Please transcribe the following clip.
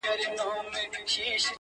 پر هر ځای چي ټولۍ وینی د پوهانو،